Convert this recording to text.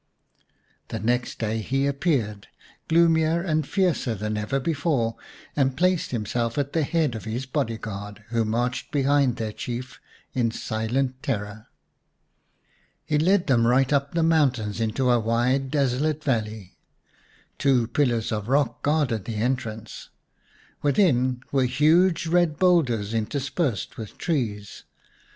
The next day he appeared, gloomier and fiercer than ever before, and placed himself at the head of his body guard, who marched behind their Chief in silent terror. He led them right up the mountains into a wide desolate valley. Two pillars of rock guarded the entrance ; within were huge red boulders interspersed with trees.